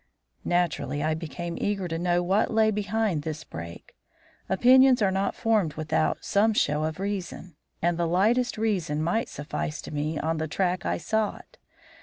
Naturally, I became eager to know what lay behind this break. Opinions are not formed without some show of reason, and the lightest reason might suffice to put me on the track I sought.